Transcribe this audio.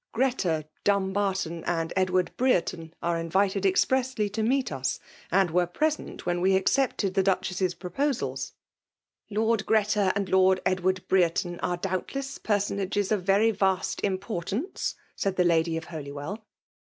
Greta, Dum barton and Edward Brereton are invited ex pressly to meet us, and were present when we aoeepted the Duchess's proposals.'* " Lord Oreta and Lord Edward Brereton are doubtless personages of very vast import ance," said the Lady^ of Holywell.